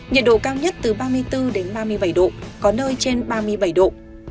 nhiệt độ cao nhất từ ba mươi bốn ba mươi bảy độ có nơi trên ba mươi bảy độ